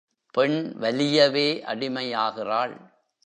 பெண் வலியவே அடிமையாகிறாள்.